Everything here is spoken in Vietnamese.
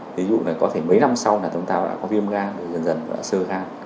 ví dụ là có thể mấy năm sau là chúng ta đã có viêm gan rồi dần dần đã sơ gan